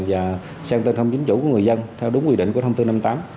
và sang tên không chính chủ của người dân theo đúng quy định của thông tin năm mươi tám